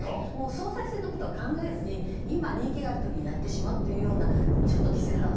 総裁選のことは考えず今、人気がある時にやってしまうというようなちょっと岸田さん